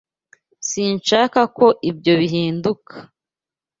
Sinshaka ko ibyo bihinduka.